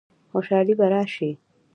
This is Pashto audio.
خوشحالي به راشي؟